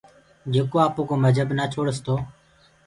جيڪو آپوڪو مجهب نآ ڇوڙس تو